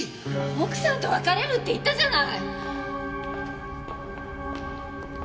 奥さんと別れるって言ったじゃない！